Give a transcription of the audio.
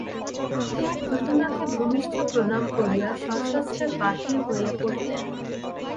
তিনি প্রতিমাকে ভূমিষ্ঠ প্রণাম করিয়া সশস্ত্রে বাহির হইয়া পড়িলেন।